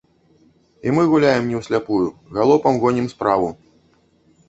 І мы гуляем не ў сляпую, галопам гонім справу.